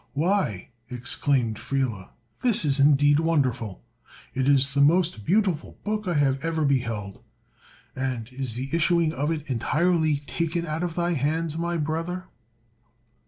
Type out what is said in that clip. "Why," exclaimed Friele, "this is indeed wonderful! It is the most beautiful book I ever beheld. And is the issuing of it entirely taken out of thy hands, my brother?"